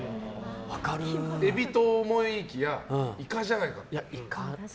エビと思いきやイカじゃないかと。